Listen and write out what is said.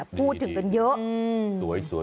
ประมาณที่พูดถึงกันเยอะ